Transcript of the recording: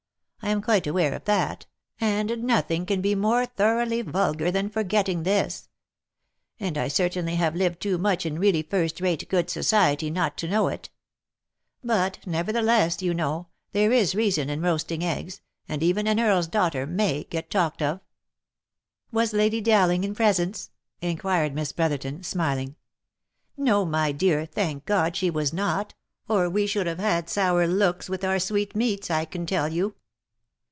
I am quite aware of that, and nothing can be more thoroughly vulgar than forgetting this. And I certainly have lived too much in really first rate good society, not to know it. But, neverthe less, you know, there is reason in roasting eggs, and even an earl's daughter may get talked of." " Was Lady Dowling in presence?" inquired Miss Brotherton, smiling. " No, my dear, thank God she was not, or we should have had sour looks with our sweetmeats, I can tell you."